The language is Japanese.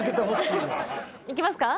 いきますか？